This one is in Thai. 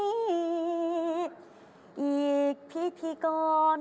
ศพจอมปีภี่พี่กรณ์